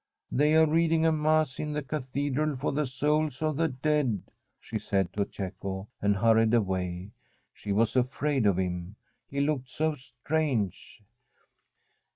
'They are reading a Mass in the cathedral for the souls of the dead,' she said to Cecco, and hurried away. She was afraid of him ; he looked so strange.